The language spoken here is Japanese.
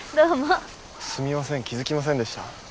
すみません気付きませんでした。